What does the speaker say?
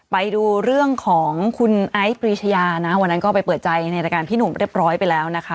ไปดูเรื่องของคุณไอซ์ปรีชยานะวันนั้นก็ไปเปิดใจในรายการพี่หนุ่มเรียบร้อยไปแล้วนะคะ